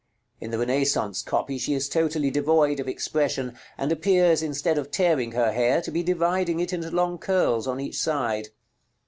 In the Renaissance copy she is totally devoid of expression, and appears, instead of tearing her hair, to be dividing it into long curls on each side.